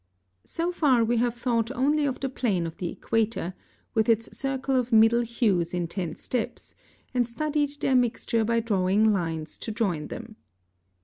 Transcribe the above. + (65) So far we have thought only of the plane of the equator, with its circle of middle hues in ten steps, and studied their mixture by drawing lines to join them.